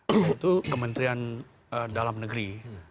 yaitu kementerian dalam negeri